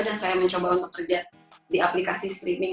dan saya mencoba untuk kerja di aplikasi streaming